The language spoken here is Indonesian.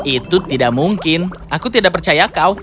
itu tidak mungkin aku tidak percaya kau